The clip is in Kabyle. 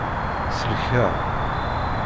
Sellek-aɣ.